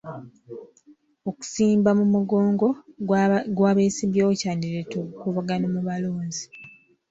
Okusimba mu mugongo gw'abesimbyewo kyandireeta obukuubagano mu balonzi.